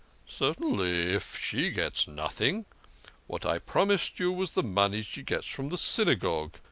"" Certainly, if she gets nothing. What I promised you was the money she gets from the Synagogue.